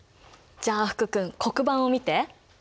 じゃあ福君黒板を見て。